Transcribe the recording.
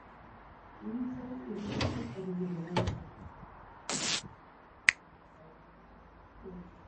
இன்சொல் இன்பத்தைத் தருகிறது.